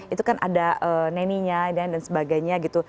itu kan ada neninya dan sebagainya gitu